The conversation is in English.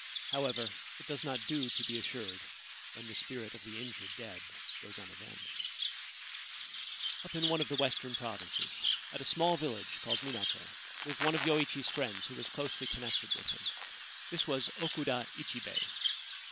However, it does not do to be assured while the spirit of the injured dead goes unavenged. Up in one of the western provinces, at a small village called Minato, lived one of Yoichi's friends, who was closely connected with him. This was Okuda Ichibei.